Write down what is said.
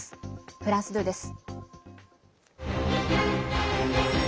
フランス２です。